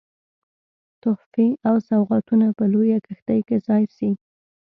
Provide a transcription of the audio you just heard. تحفې او سوغاتونه په لویه کښتۍ کې ځای سي.